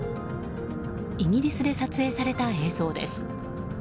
イギリスで撮影された映像です。